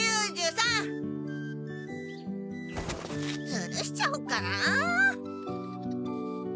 ずるしちゃおうかな。